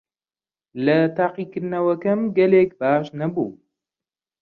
لە تاقیکردنەوەکەم گەلێک باش نەبووم.